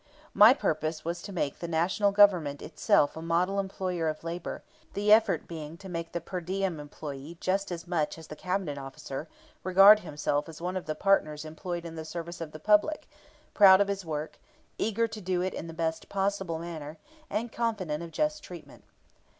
My purpose was to make the National Government itself a model employer of labor, the effort being to make the per diem employee just as much as the Cabinet officer regard himself as one of the partners employed in the service of the public, proud of his work, eager to do it in the best possible manner, and confident of just treatment.